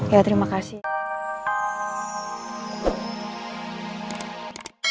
ya terima kasih